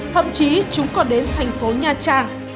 thậm chí chúng còn đến thành phố nha trang